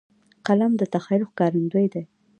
قلم د تخیل ښکارندوی دی